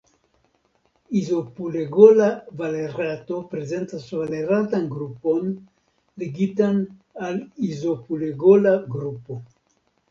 Izopulegola valerato prezentas valeratan grupon ligitan al izopulegola grupo.